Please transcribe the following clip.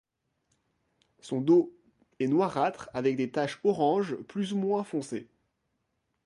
Son dos est noirâtre avec des taches orange plus ou moins foncées.